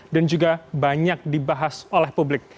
dan juga banyak dibahas oleh publik